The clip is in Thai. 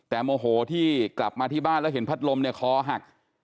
แต่โมโหที่กลับมาที่บ้านแล้วเห็นพัดลมเนี่ยคอหัก